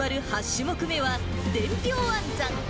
８種目目は伝票暗算。